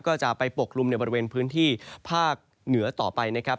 ก็จะไปปกลุ่มในบริเวณพื้นที่ภาคเหนือต่อไปนะครับ